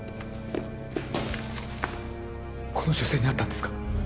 この女性に会ったんですか？